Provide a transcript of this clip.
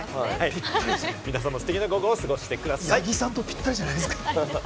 皆さんもステキな午後を過ごしてください。